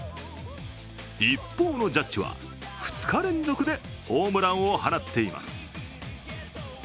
一方のジャッジは２日連続でホームランを放っています。